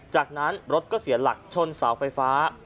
จากนั้นรถก็เสียหลักชนเสาไฟฟ้า